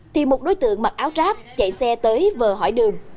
thì một đối tượng mặc áo ráp chạy xe tới vờ hỏi đường